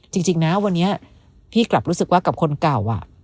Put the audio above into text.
จริงนะวันนี้พี่กลับรู้สึกว่ากับคนเก่า